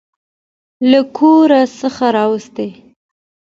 له کور څخه راوستې.